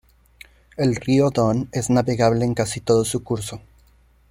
El río Don es navegable en casi todo su curso.